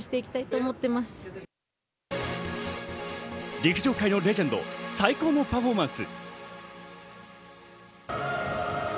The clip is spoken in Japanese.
陸上界のレジェンド、最高のパフォーマンス。